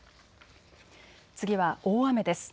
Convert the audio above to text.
次は大雨です。